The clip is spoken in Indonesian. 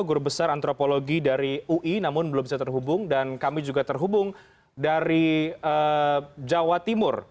guru besar antropologi dari ui namun belum bisa terhubung dan kami juga terhubung dari jawa timur